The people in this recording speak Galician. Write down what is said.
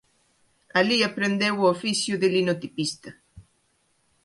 Alí aprendeu o oficio de linotipista.